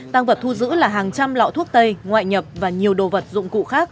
tăng vật thu giữ là hàng trăm lọ thuốc tây ngoại nhập và nhiều đồ vật dụng cụ khác